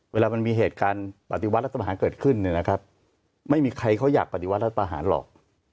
เวลามันมีเหตุการณ์ปฏิวัติรัฐประหารเกิดขึ้นเนี่ยนะครับไม่มีใครเขาอยากปฏิวัติรัฐประหารหรอก